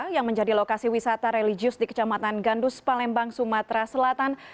yang menjadi lokasi wisata religius di kecamatan gandus palembang sumatera selatan